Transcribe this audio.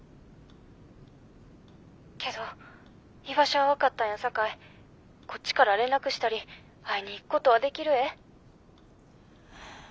けど居場所は分かったんやさかいこっちから連絡したり会いに行くことはできるえ。